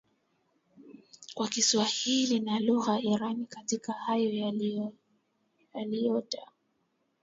kwa Kiswahili na lugha irani katika hayo yaliyota